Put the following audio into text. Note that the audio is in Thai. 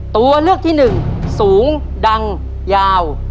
ตัวเลือกที่หนึ่งสูงดังยาว